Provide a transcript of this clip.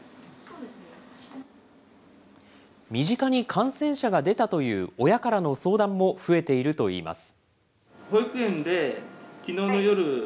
身近に感染者が出たという親からの相談も増えているといいます。